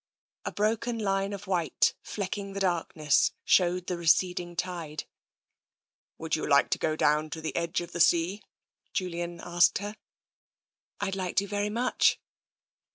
A broken line of white, flecking the darkness, showed the receding tide. " Would you like to go down to the edge of the sea?" Julian asked her. " I'd like to very much."